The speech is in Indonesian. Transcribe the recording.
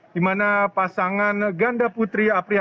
dimana pasangan ganda putri apriani rupiah